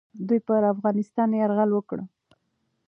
دوی پر افغانستان یرغل وکړ.